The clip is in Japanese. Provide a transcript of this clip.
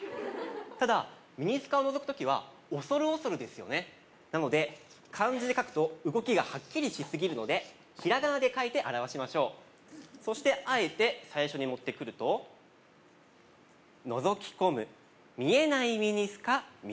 ただミニスカをのぞく時は恐る恐るですよねなので漢字で書くと動きがはっきりしすぎるのでひらがなで書いて表しましょうそしてあえて最初に持ってくると趣が出ますよね